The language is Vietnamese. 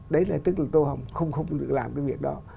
đấy là tức là tô hồng không làm cái việc đó